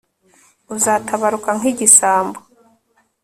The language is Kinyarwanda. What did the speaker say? uzatabaruka nk'igisambo